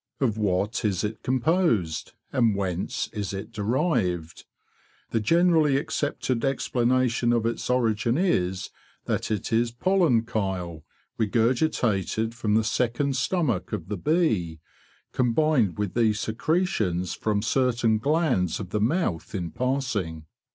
Of what is it composed, and whence is it derived? The generally accepted explanation of its origin is that it is pollen chyle regurgitated from the second stomach of the bee, combined with the secretions from certain glands of the mouth in passing.